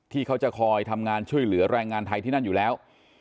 ที่เขาจะคอยทำงานช่วยเหลือแรงงานไทยที่นั่นอยู่แล้ว